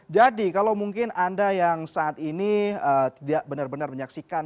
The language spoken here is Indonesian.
jadi kalau mungkin anda yang saat ini tidak benar benar menyaksikan